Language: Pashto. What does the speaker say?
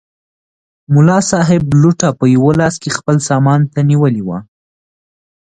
ملا صاحب لوټه په یوه لاس کې خپل سامان ته نیولې وه.